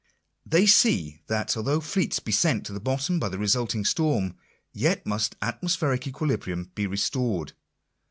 They see that although fleets be sent to the bottom by the resulting storm, yet must atmo spheric equilibrium be restored.